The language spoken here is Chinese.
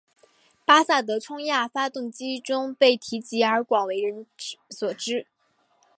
巴萨德冲压发动机中被提及而广为所知。